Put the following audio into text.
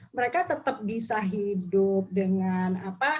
mereka tetap bisa hidup dengan apa